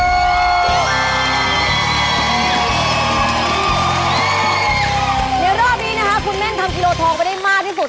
เดี๋ยวรอบนี้นะคะคุณแม่นทำกิโลทองไปได้มากที่สุด